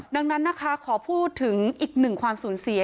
ดังนั้นนะคะขอพูดถึงอีกหนึ่งความสูญเสีย